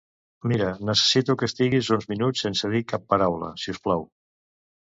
Mira, necessito que estiguis uns minuts sense dir cap paraula; si us plau.